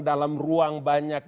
dalam ruang banyak